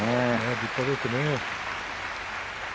立派ですね。